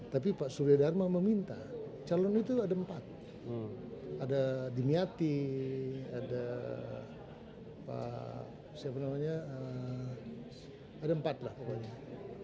tapi pak surya dharma meminta calon itu ada empat ada dimyati ada pak siapa namanya ada empat lah pokoknya